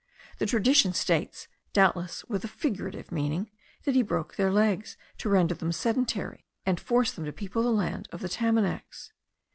The tradition states, doubtless with a figurative meaning, that he broke their legs, to render them sedentary, and force them to people the land of the Tamanacs.